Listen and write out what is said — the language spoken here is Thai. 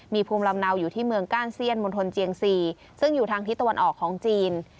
มีภูมิลำเนาอยู่ที่เมืองก้านเซียนมณฑลเจียงซีซึ่งอยู่ทางทิศตะวันออกของจีน